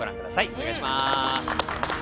お願いします。